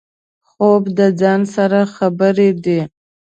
خوب د ځان سره خبرې دي